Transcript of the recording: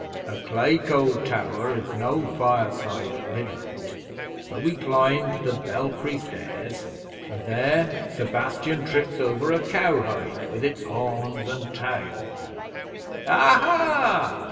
'A clay cold tower is no fireside at midnight, so we climbed the belfry stairs, and there Sebastian trips over a cow hide with its horns and tail. '"Aha!